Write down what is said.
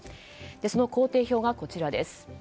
その工程表がこちらです。